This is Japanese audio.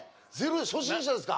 初心者ですか？